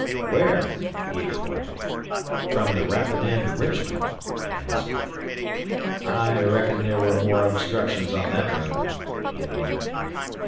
"Where?" he inquired. "From the Rapidan to Richmond," I answered. "I reckon there were more obstructions on that road," he admitted.